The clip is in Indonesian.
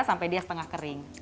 sampai dia setengah kering